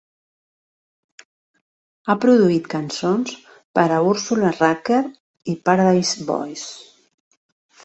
Ha produït cançons per a Ursula Rucker i Paradise Boys.